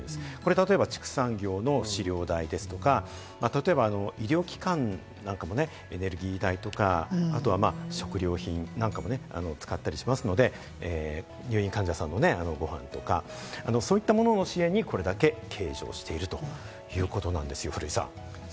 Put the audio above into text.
例えば畜産業の飼料代ですとか、例えば医療機関なんかもね、エネルギー代とか食料品なんかも使ったりしますので、入院患者さんのご飯とか、そういったものの支援にこれだけ計上しているということなんですよ。